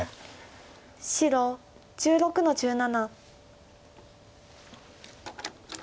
白１６の十七。